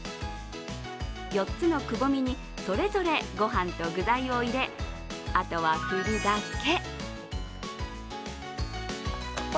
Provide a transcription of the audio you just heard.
４つのくぼみにそれぞれごはんと具材を入れあとは振るだけ。